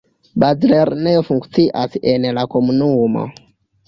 Bazlernejo funkcias en la komunumo.